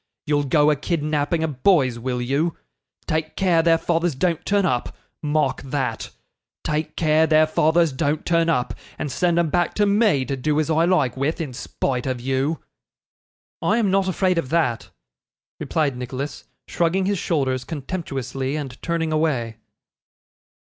You'll go a kidnapping of boys, will you? Take care their fathers don't turn up mark that take care their fathers don't turn up, and send 'em back to me to do as I like with, in spite of you.' 'I am not afraid of that,' replied Nicholas, shrugging his shoulders contemptuously, and turning away.